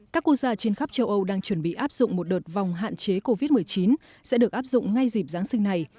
các quốc gia trên khắp châu âu đang chuẩn bị áp dụng một đợt vòng hạn chế covid một mươi chín sẽ được áp dụng ngay dịp giáng sinh này